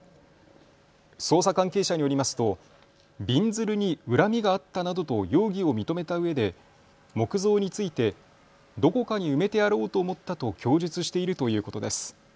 捜査関係者によりますとびんずるに恨みがあったなどと容疑を認めたうえで木像について、どこかに埋めてやろうと思ったと供述しているということです。